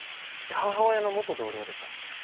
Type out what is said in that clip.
母親の元同僚でさ。